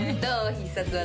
必殺技。